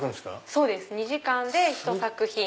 そうです２時間でひと作品。